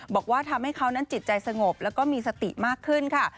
บอกว่าทำให้เขานั้นจิตใจสงบแล้วก็มีสติมากขึ้นค่ะ